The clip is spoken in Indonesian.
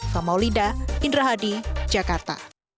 famaulida indra hadi jakarta